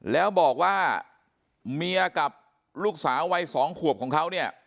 แล้วบอกว่าเมียกับลูกสาววัย๒ขวบของเขาเนี่ย